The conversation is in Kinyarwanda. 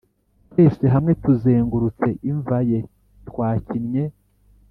twese hamwe tuzengurutse imva ye twakinnye,